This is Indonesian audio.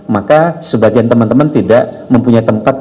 maka sebagian teman teman tidak mempunyai tempat